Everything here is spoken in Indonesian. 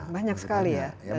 banyak sekali ya